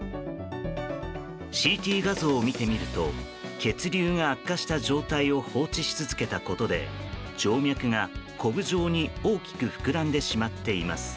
ＣＴ画像を見てみると血流が悪化した状態を放置し続けたことで静脈がこぶ状に大きく膨らんでしまっています。